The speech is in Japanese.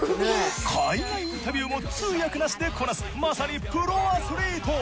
海外インタビューも通訳なしでこなすまさにプロアスリート。